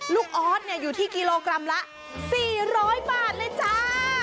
ลูกออร์ดเนี้ยอยู่ที่กิโลกรัมละสี่ร้อยบาทเลยจ้า